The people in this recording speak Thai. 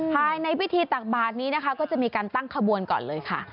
ภายในพิธีตักบาทนี้นะคะก็จะมีการตั้งขบวนก่อนเลยค่ะ